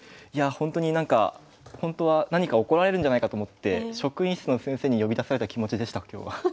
いや本当に何か本当は何か怒られるんじゃないかと思って職員室の先生に呼び出された気持ちでした今日は。